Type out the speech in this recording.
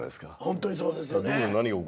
ホントにそうですよね。